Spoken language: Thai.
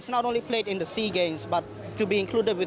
คุณถูกพูดว่าเกินละโบกาตาว